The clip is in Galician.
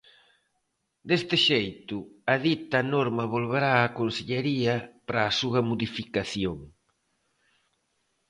Deste xeito, a dita norma volverá á Consellaría para a súa modificación.